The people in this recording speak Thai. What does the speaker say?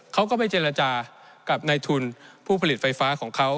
เขาก็ไปเจรจากับในทุนผู้ผลิตไฟฟ้าของเขา